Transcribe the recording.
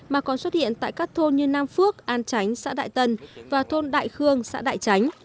mà còn xuất hiện tại các thôn như nam phước an tránh xã đại tân và thôn đại khương xã đại chánh